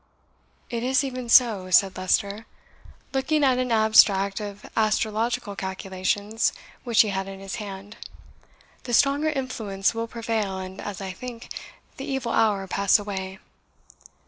"It is even so," said Leicester, looking at an abstract of astrological calculations which he had in his hand; "the stronger influence will prevail, and, as I think, the evil hour pass away.